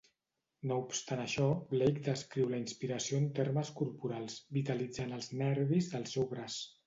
No obstant això, Blake descriu la inspiració en termes corporals, vitalitzant els nervis del seu braç.